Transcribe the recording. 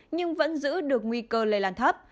nhưng vẫn giữ được nguy cơ lây lan thấp